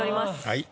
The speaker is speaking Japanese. はい。